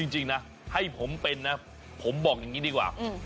จริงนะให้ผมเป็นนะผมบอกอย่างนี้ดีกว่า